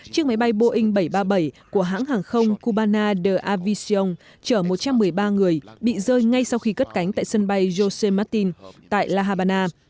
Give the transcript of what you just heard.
chiếc máy bay boeing bảy trăm ba mươi bảy của hãng hàng không cubana de aviciong chở một trăm một mươi ba người bị rơi ngay sau khi cất cánh tại sân bay jose martin tại la habana